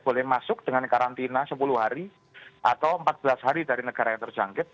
boleh masuk dengan karantina sepuluh hari atau empat belas hari dari negara yang terjangkit